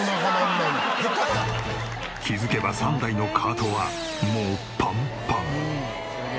気づけば３台のカートはもうパンパン。